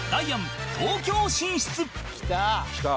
「きた！」